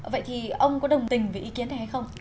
vậy thì ông có đồng tình với ý kiến này hay không